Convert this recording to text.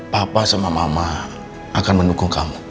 papa sama mama akan mendukung kamu